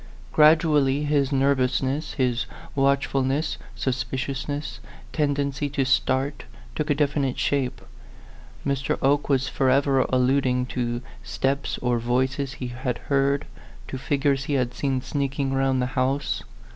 Gradually his nervousness, his watchful ness, suspiciousness, tendency to start, took a definite shape. Mr. Oke was forever al luding to steps or voices he had heard, to figures he had seen sneaking round the house.